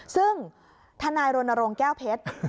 ซึ่งธนายโรนโรงแก้วเพชร